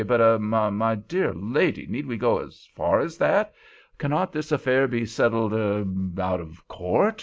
But—er—my dear lady, need we go as far as that? Cannot this affair be settled—er—out of court?